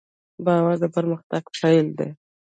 باور د پرمختګ پیل دی.